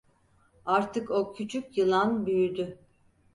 Artık o küçük yılan büyüdü.